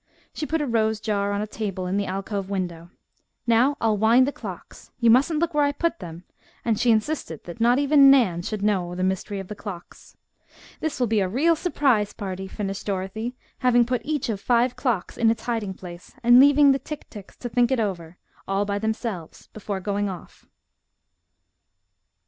She put a rose jar on a table in the alcove window. "Now I'll wind the clocks. You mustn't look where I put them," and she insisted that not even Nan should know the mystery of the clocks. "This will be a real surprise party," finished Dorothy, having put each of five clocks in its hiding place, and leaving the tick ticks to think it over, all by themselves, before going off.